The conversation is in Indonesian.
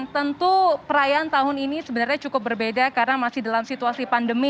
tentu perayaan tahun ini sebenarnya cukup berbeda karena masih dalam situasi pandemi